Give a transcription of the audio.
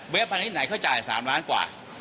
วีตพติดไหนเค้าจ่าย๓ล้านกว่า